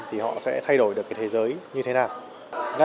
thì họ sẽ thay đổi được thế giới như thế nào